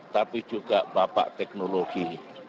tapi juga bapak teknologi